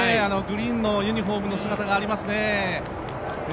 グリーンのユニフォームの姿がありますね。